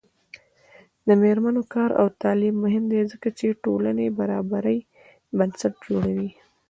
د میرمنو کار او تعلیم مهم دی ځکه چې ټولنې برابرۍ بنسټ جوړوي.